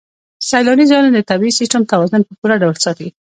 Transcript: سیلاني ځایونه د طبعي سیسټم توازن په پوره ډول ساتي.